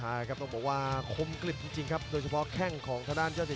มีความยุ่งกลมกลิบโดยเฉพาะแค่งของทะดานเจ้าเจ๋